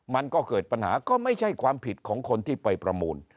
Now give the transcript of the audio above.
มันก็เกิดปัญหาก็ไม่ใช่ความผิดของคนที่ไปประมูล